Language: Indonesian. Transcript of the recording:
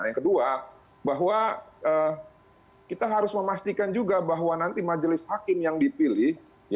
yang kedua bahwa kita harus memastikan juga bahwa nanti majelis hakim yang dipilih